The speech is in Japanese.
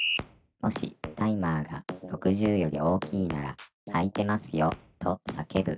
「もしタイマーが６０より大きいなら『開いてますよ』とさけぶ」